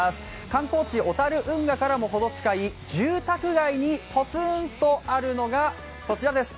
観光地・小樽運河からも程近い住宅街にぽつんとあるのがこちらです。